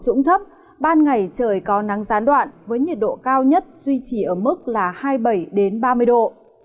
trung tâm ban ngày trời có nắng gián đoạn với nhiệt độ cao nhất duy trì ở mức hai mươi bảy ba mươi độ